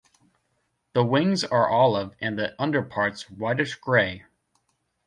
The wings are olive and the underparts whitish grey.